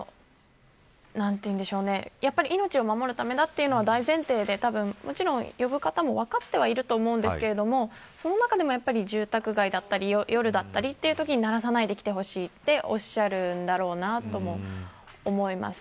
やっぱり、命を守るためだというの大前提でもちろん、呼ぶ方も分かってはいると思いますがその中でも住宅街だったり夜だったりというときに流さないで来てほしいとおっしゃるんだろうと思います。